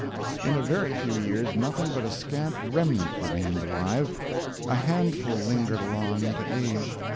In a very few years nothing but a scant remnant remained alive. A handful lingered along into age.